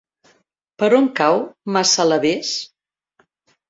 Per on cau Massalavés?